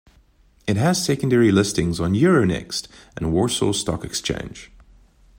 It has secondary listings on Euronext and Warsaw Stock Exchange.